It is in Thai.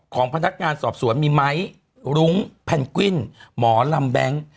ของพนักงานสอบสวนมีไม้รุ้งแพนกวินหมอลำแบงค์